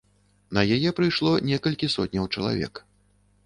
На яе прыйшло некалькі сотняў чалавек.